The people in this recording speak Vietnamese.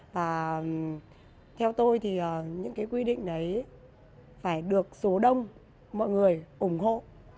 và theo tôi thì những cái quy định đấy phải được số đông mọi người ủng hộ